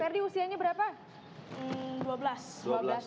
adit ferdi usianya berapa